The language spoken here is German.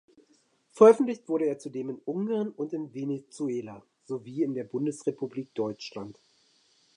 Veröffentlicht wurde er zudem in Ungarn und in Venezuela sowie in der Bundesrepublik Deutschland.